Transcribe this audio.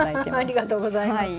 ありがとうございます。